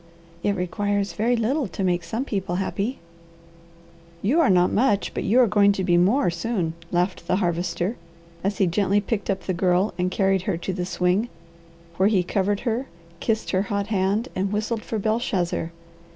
"It requires very little to make some people happy." "You are not much, but you are going to be more soon," laughed the Harvester, as he gently picked up the Girl and carried her to the swing, where he covered her, kissed her hot hand, and whistled for Belshazzar.